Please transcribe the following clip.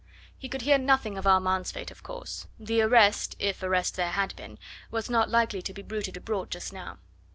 He could hear nothing of Armand's fate, of course. The arrest if arrest there had been was not like to be bruited abroad just now.